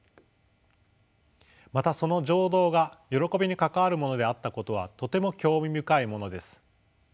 またその情動が喜びに関わるものであったことはとても興味深いものです。